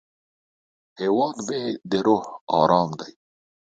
هیواد مې د روح ارام دی